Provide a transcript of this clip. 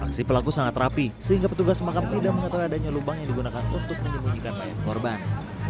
aksi pelaku sangat rapi sehingga petugas makam tidak mengetahui adanya lubang yang digunakan untuk menyembunyikan mayat korban